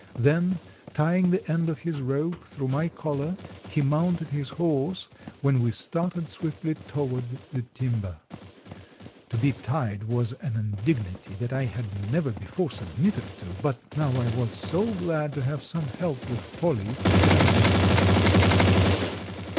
Then, tying the end of his rope through my collar he mounted his horse, when we started swiftly toward the timber. To be tied was an indignity that I had never before submitted to, but now I was so glad to have some help with Polly that I made no resistance.